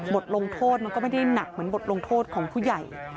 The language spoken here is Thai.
บทลงโทษมันก็ไม่ได้หนักเหมือนบทลงโทษของผู้ใหญ่